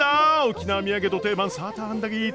沖縄土産の定番サーターアンダギー。